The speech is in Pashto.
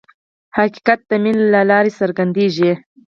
حقیقت د مینې له لارې څرګندېږي.